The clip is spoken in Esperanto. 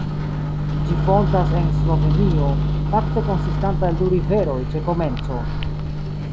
Ĝi fontas en Slovenio, fakte konsistanta el du riveroj ĉe komenco.